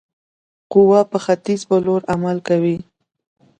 قوه په ختیځ په لوري عمل کوي.